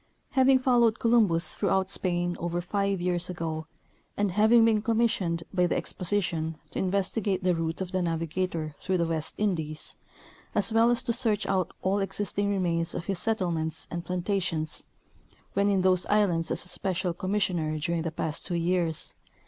Having followed Columbus throughout Spain over five years ago, and having been commissioned by the Exposition to inves tigate the route of the navigator through the West Indies, as well as to search out all existing remains of his settlements and plantations, when in those islands as a special commissioner during the past two years.